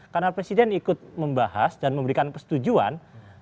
karena presiden ikut membahas dan memberikan persetujuan